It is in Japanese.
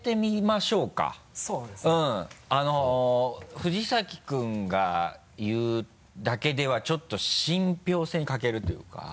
藤崎君が言うだけではちょっと信ぴょう性に欠けるというか。